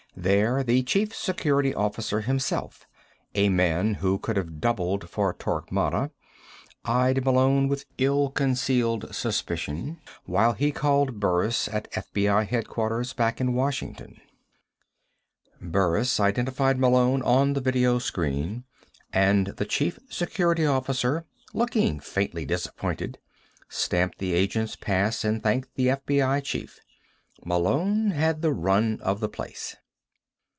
There, the Chief Security Officer himself, a man who could have doubled for Torquemada, eyed Malone with ill concealed suspicion while he called Burris at FBI headquarters back in Washington. Burris identified Malone on the video screen and the Chief Security Officer, looking faintly disappointed, stamped the agent's pass and thanked the FBI chief. Malone had the run of the place.